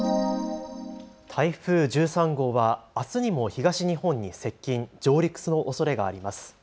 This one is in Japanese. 台風１３号はあすにも東日本に接近、上陸のおそれがあります。